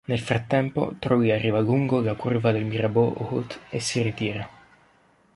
Nel frattempo Trulli arriva lungo alla curva del Mirabeau Haute e si ritira.